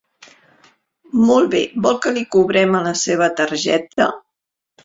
Molt bé, vol que li cobrem a la seva targeta?